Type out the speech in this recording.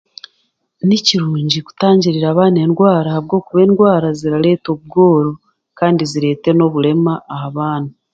Ni kirungi kutangiriira abaana endwaara ahabw'okuba endwaara zirareta obworo kandi zirete n'oburema aha baana.